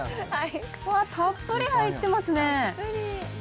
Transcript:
たっぷり入ってますね。